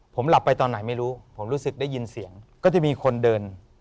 ผมหลับไปตอนไหนไม่รู้ผมรู้สึกได้ยินเสียงก็จะมีคนเดิน